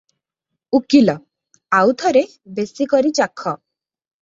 ଉକୀଲ - ଆଉ ଥରେ ବେଶି କରି ଚାଖ ।